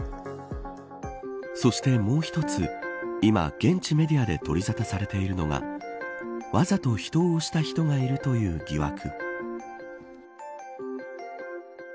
そして、もう一つ今、現地メディアで取り沙汰されているのがわざと人を押した人がいるという疑惑。